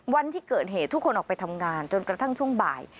วันที่เกิดเหตุทุกคนออกไปทำงานจนกระทั่งช่วงบ่าย